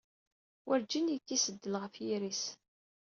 Werǧin yekkis ddel ɣef yiri-s.